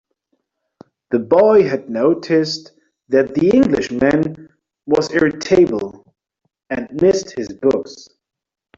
The boy had noticed that the Englishman was irritable, and missed his books.